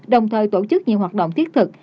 đồng thời tổ chức nhiều hoạt động thiết thực